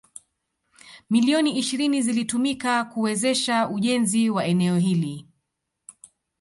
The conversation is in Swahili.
Milioni ishirini zilitumika kuwezesha ujenzi wa eneo hili.